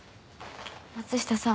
松下さん